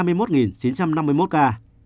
đồng nai bảy mươi chín hai trăm sáu mươi hai ca